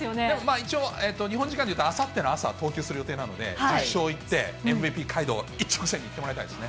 一応、日本時間でいうとあさっての朝、投球する予定なので、１０勝いって、ＭＶＰ街道を一直線いってもらいたいですね。